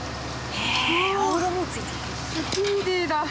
おスピーディーだ。